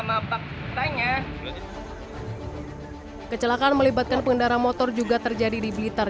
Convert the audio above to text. awalnya mobil udah seneng lurus terus udah kesini pak